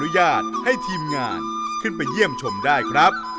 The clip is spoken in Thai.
ญาตให้ทีมงานขึ้นไปเยี่ยมชมได้ครับ